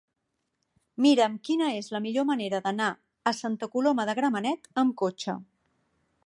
Mira'm quina és la millor manera d'anar a Santa Coloma de Gramenet amb cotxe.